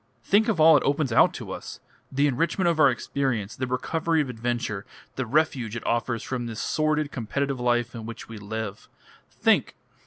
Think of all it opens out to us the enrichment of our experience, the recovery of adventure, the refuge it offers from this sordid, competitive life in which we live! Think!"